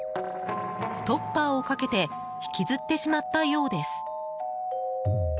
ストッパーをかけて引きずってしまったようです